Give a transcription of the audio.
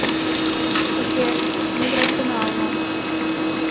— Уке, мый врач гына улам.